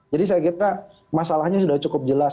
jadi saya kira masalahnya sudah cukup jelas